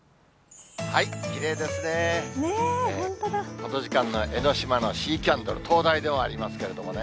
この時間の江の島のシーキャンドル、灯台ではありますけどね。